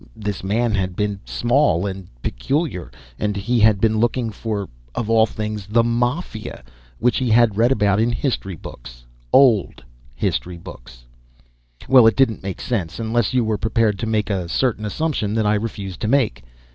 This man had been small and peculiar, and he had been looking for, of all things, the "Mafia," which he had read about in history books old history books. Well, it didn't make sense, unless you were prepared to make a certain assumption that I refused to make.